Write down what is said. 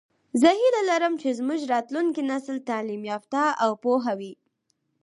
زه هیله لرم چې زمونږ راتلونکی نسل تعلیم یافته او پوهه وي